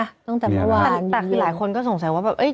อะแต่หลายคนก็สงสัยว่า